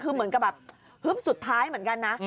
คือเหมือนกับแบบฮึบสุดท้ายเหมือนกันนะ